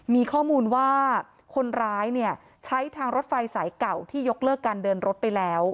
มีข้อมูลว่าคนร้ายเนี่ยใช้ทางรถไฟสายเก่าที่ยกเลิกการเดินรถไปแล้ว